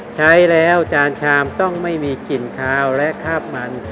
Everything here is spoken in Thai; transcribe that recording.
ใช้แล้วจานชามต้องไม่มีกลิ่นคาวและคาบมัน